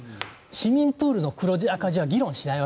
市民プールの黒字、赤字は議論しない。